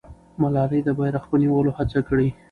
ملالۍ د بیرغ په نیولو هڅه کړې.